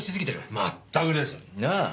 まったくです。なあ？